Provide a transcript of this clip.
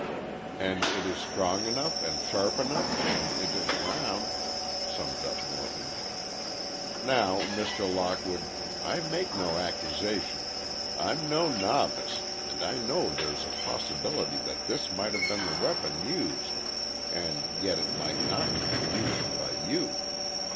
"And it is strong enough and sharp enough, and it is round," summed up Morton. "Now, Mr. Lockwood, I make no accusation. I'm no novice, and I know there's a possibility that this might have been the weapon used, and yet it might not have been used by you.